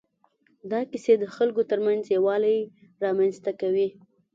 دا کیسې د خلکو تر منځ یووالی رامنځ ته کوي.